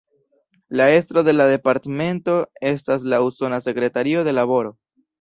La estro de la Departmento estas la Usona Sekretario de Laboro.